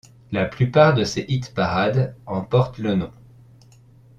La plupart de ces hit-parades en portent le nom.